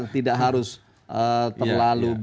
tidak harus terlalu